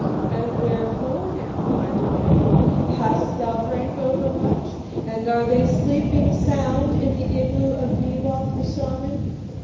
"'And wherefore now?' I demanded. 'Hast thou drunk overmuch? And are they sleeping sound in the igloo of Neewak, the shaman?'